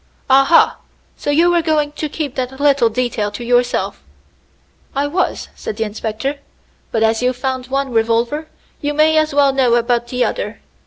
"Aha! so you were going to keep that little detail to yourself." "I was," said the inspector, "but as you've found one revolver, you may as well know about the other.